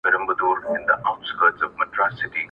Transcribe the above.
سیند بهیږي غاړي غاړي د زلمیو مستي غواړي-